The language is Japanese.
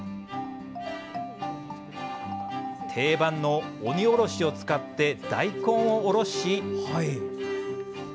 定番の鬼おろしを使って大根をおろし。